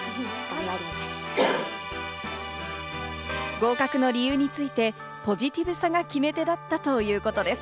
合格の理由についてポジティブさが決め手だったということです。